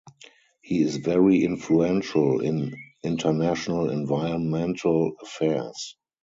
He is very influential in international environmental affairs.